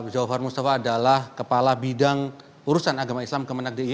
jawahar mustafa adalah kepala bidang urusan agama islam kemenag d i